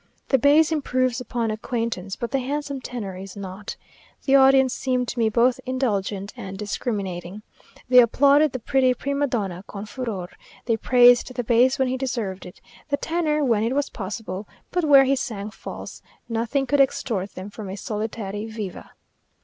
The bass improves upon acquaintance, but the handsome tenor is nought. The audience seemed to me both indulgent and discriminating. They applauded the pretty prima donna con furor; they praised the bass when he deserved it, the tenor when it was possible; but where he sang false, nothing could extort from them a solitary viva.